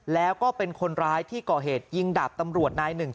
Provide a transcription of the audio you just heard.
แล้วก็เป็นคนร้ายที่ก่อเหตุยิงดาบตำรวจนายหนึ่ง